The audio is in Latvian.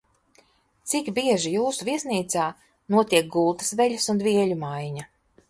Cik bieži jūsu viesnīcā notiek gultas veļas un dvieļu maiņa?